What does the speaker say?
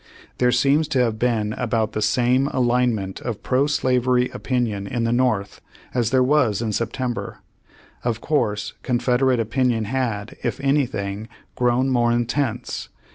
There seems to have been about the same align ment of pro slavery opinion in the North as there Vv as in September. Of course Confederate opin ion had, if anything, grown more intense.